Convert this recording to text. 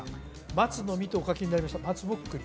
「松の実」とお書きになりましたまつぼっくり？